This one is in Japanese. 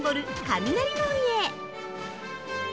雷門へ。